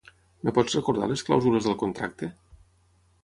Em pots recordar les clàusules del contracte?